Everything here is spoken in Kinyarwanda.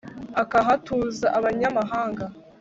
akahatuza abanyamahanga